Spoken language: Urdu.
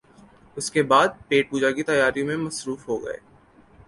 اس کے بعد پیٹ پوجا کی تیاریوں میں مصروف ہو گئے